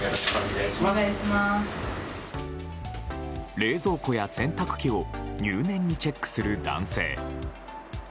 冷蔵庫や洗濯機を入念にチェックする男性。